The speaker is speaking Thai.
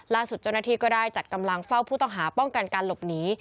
เจ้าหน้าที่ก็ได้จัดกำลังเฝ้าผู้ต้องหาป้องกันการหลบหนี